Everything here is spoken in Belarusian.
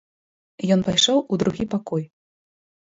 Ён пайшоў у другі пакой.